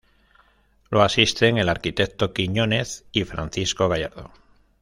Lo asisten el arquitecto Quiñonez y Francisco Gallardo.